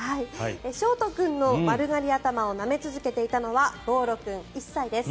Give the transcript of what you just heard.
勝叶君の丸刈り頭をなめ続けていたのはぼーろ君、１歳です。